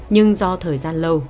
nhưng do thời gian lâu